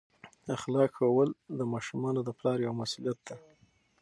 اخلاق ښوول د ماشومانو د پلار یوه مسؤلیت ده.